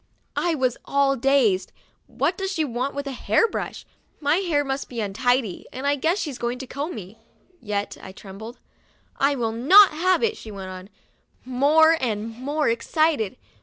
I was all dazed. "What does she want with a hair brush. My hair must be untidy, and I guess she's going to comb me." Yet I trembled. "I will not have it," she went on, more and more excited.